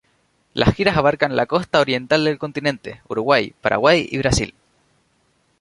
Las giras abarcan la costa oriental del continente, Uruguay, Paraguay y Brasil.